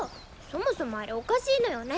そもそもあれおかしいのよね